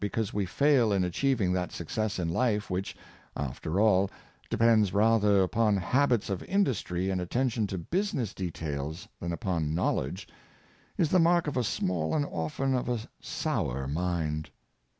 307 cause we fail in achieving that success in Hfe which, after all, depends rather upon habits of industry and attention to business details than upon knowledge, is the mark of a small, and often of a sour mind.